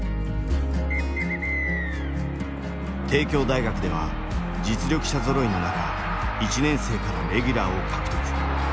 帝京大学では実力者ぞろいの中１年生からレギュラーを獲得。